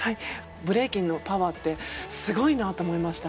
ブレイキンのパワーってすごいなと思いました